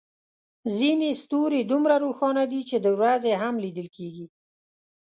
ځینې ستوري دومره روښانه دي چې د ورځې هم لیدل کېږي.